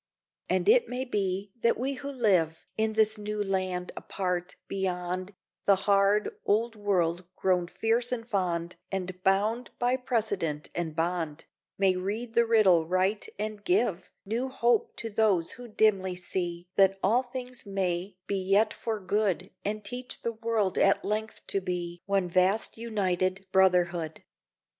And it may be that we who live In this new land apart, beyond The hard old world grown fierce and fond And bound by precedent and bond, May read the riddle right and give New hope to those who dimly see That all things may be yet for good, And teach the world at length to be One vast united brotherhood.